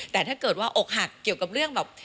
แต่ถ้าเกิดว่าอกหักเกี่ยวกับเรื่องแบบ